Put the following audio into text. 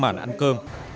mắc màn ăn cơm